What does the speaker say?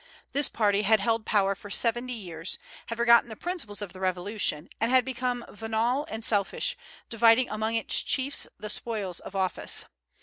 This party had held power for seventy years, had forgotten the principles of the Revolution, and had become venal and selfish, dividing among its chiefs the spoils of office.